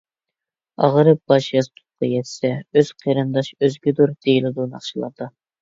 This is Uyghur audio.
«ئاغرىپ باش ياستۇققا يەتسە ئۆز قېرىنداش ئۆزگىدۇر» دېيىلىدۇ ناخشىلاردا.